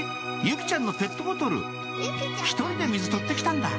由季ちゃんのペットボトル１人で水採って来たんだ」